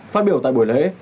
phát biểu tại buổi lễ